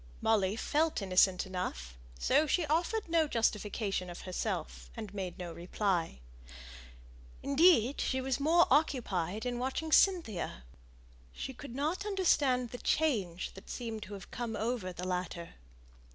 Molly felt innocent enough, so she offered no justification of herself, and made no reply. Indeed she was more occupied in watching Cynthia. She could not understand the change that seemed to have come over her.